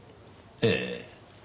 ええ。